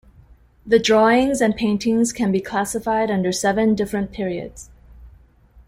The drawings and paintings can be classified under seven different periods.